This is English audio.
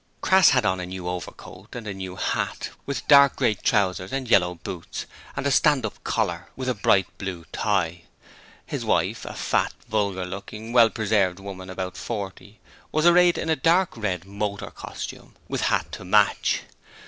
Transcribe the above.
Crass had on a new overcoat and a new hat, with dark grey trousers and yellow boots, and a 'stand up' collar with a bright blue tie. His wife a fat, vulgar looking, well preserved woman about forty was arrayed in a dark red 'motor' costume, with hat to match.